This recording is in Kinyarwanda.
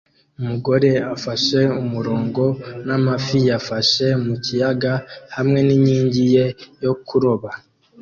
Umugore afashe umurongo n'amafi yafashe mu kiyaga hamwe n'inkingi ye yo kuroba